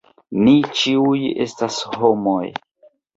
Ni ĉiuj estas homoj.